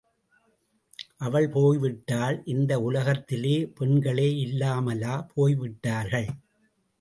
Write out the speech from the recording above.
அவள் போய்விட்டால் இந்த உலகத்திலே பெண்களே இல்லாமலா போய்விட்டார்கள்?